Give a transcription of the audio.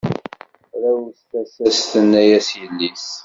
Tefrawes tasa-s tenna-as yelli-s.